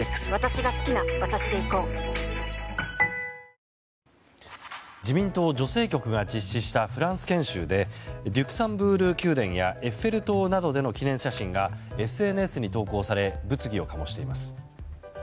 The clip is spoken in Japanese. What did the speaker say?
新しくなった自民党女性局が実施したフランス研修でリュクサンブール宮殿やエッフェル塔などでの記念写真がＳＮＳに投稿され物議を醸しています。